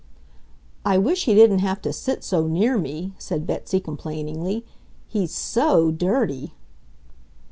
"I wish he didn't have to sit so near me," said Betsy complainingly. "He's SO dirty."